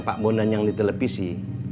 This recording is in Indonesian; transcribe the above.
pak bonan yang di televisi